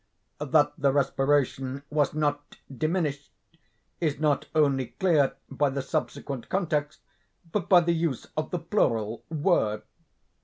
That the respiration was not 'diminished,' is not only clear by the subsequent context, but by the use of the plural, 'were.